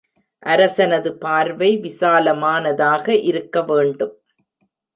அரசனது பார்வை விசாலமானதாக இருக்க வேண்டும்.